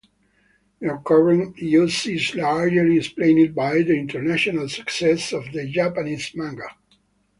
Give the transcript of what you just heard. Their current use is largely explained by the international success of the Japanese manga.